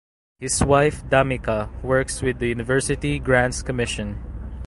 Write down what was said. His wife Dhammika works with the University Grants Commission.